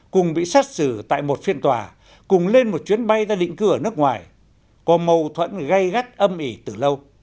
cùng bị xét xử tại một phiên tòa cùng lên một chuyến bay ra định cư ở nước ngoài có mâu thuẫn gây gắt âm ỉ từ lâu